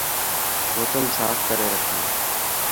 بوتل ساف ڪري رکي.